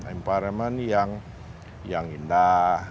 environment yang indah